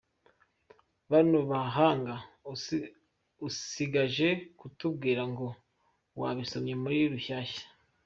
Bano bahanga. Usigaje kutubwira ngo wabisomye muri Rushyashya.